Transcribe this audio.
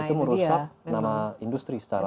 itu merusak nama industri secara